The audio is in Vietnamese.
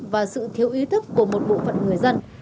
và sự thiếu ý thức của một bộ phận người dân